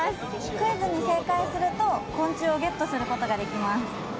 クイズに正解すると昆虫をゲットすることができます。